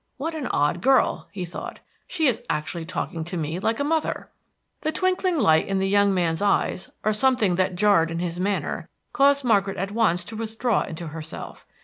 "What an odd girl!" he thought. "She is actually talking to me like a mother!" The twinkling light in the young man's eyes, or something that jarred in his manner, caused Margaret at once to withdraw into herself.